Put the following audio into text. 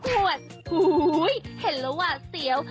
โอ้โฮเห็นแล้วว่าเสียว